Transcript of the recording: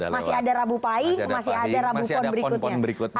masih ada rabu pai masih ada rabu pond berikutnya